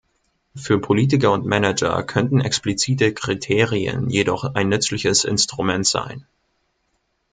Für Politiker und Manager könnten explizite Kriterien jedoch ein nützliches Instrument sein.